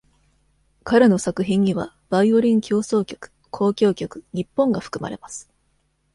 彼の作品には、ヴァイオリン協奏曲、交響曲「日本」が含まれます。